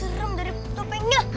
lebih serem dari topengnya